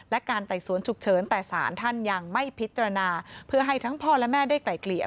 และการไต่สวนฉุกเฉินแต่สารท่านยังไม่พิจารณาเพื่อให้ทั้งพ่อและแม่ได้ไกล่เกลี่ย